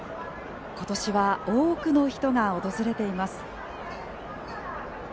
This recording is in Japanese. ことしは多くの人が訪れています。